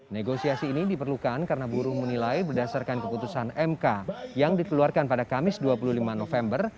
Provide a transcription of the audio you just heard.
negosiasi ini diperlukan karena buruh menilai berdasarkan keputusan mk yang dikeluarkan pada kamis dua puluh lima november